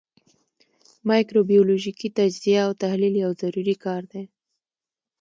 مایکروبیولوژیکي تجزیه او تحلیل یو ضروري کار دی.